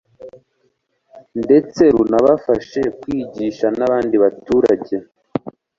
ndetse runabafashe kwigisha n'abandi baturage.